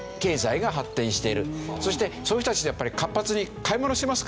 そしてそういう人たちってやっぱり活発に買い物しますから。